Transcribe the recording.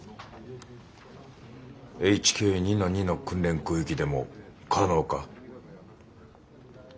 ＨＫ２−２の訓練空域でも可能か？